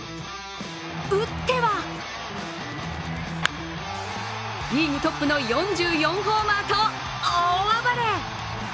打ってはリーグトップの４４ホーマーと大暴れ！